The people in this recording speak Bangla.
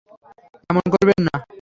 এমন করবেন না।